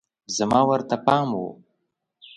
زما ورته پام و